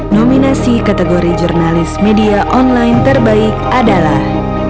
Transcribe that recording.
nominasi kategori jurnalis media online terbaik adalah